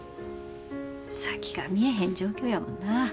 先が見えへん状況やもんな。